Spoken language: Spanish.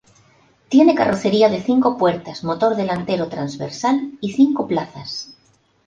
Tiene carrocería de cinco puertas, motor delantero transversal y cinco plazas.